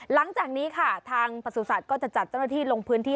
หลังจากนี้ค่ะทางประสุทธิ์ก็จะจัดเจ้าหน้าที่ลงพื้นที่